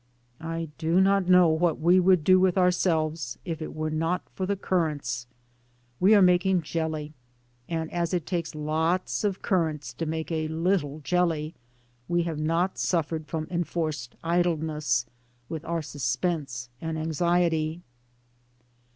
I do not know what we would do with ourselves if it were not for the currants. We are making jelly, and as it takes lots of cur rants to make a little jelly, we have not suf fered from enforced idleness, with our sus pense and anxiety.